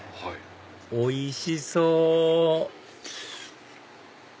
おいしそう！